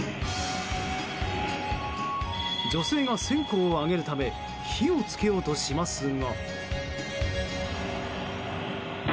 女性が線香をあげるため火を付けようとしますが。